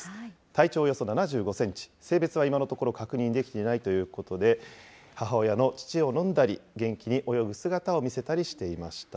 体長およそ７５センチ、性別は今のところ確認できていないということで、母親の乳を飲んだり、元気に泳ぐ姿を見せたりしていました。